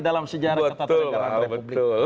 dalam sejarah ketat regeran republik